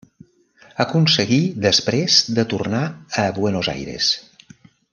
Aconseguí després de tornar a Buenos Aires.